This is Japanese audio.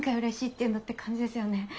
「嬉しい」って言うんだって感じですよね。